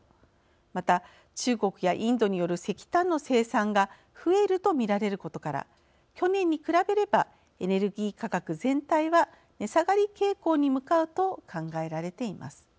また、中国やインドによる石炭の生産が増えると見られることから去年に比べればエネルギー価格全体は値下がり傾向に向かうと考えられています。